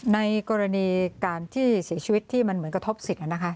ในกรณีการที่เสียชีวิตที่มันเหมือนกระทบสิทธิ์